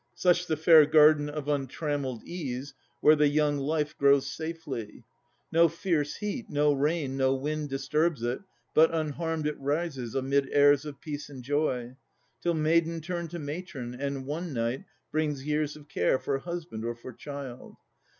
Such the fair garden of untrammeled ease Where the young life grows safely. No fierce heat, No rain, no wind disturbs it, but unharmed It rises amid airs of peace and joy, Till maiden turn to matron, and the night Inherit her dark share of anxious thought, Haunted with fears for husband or for child.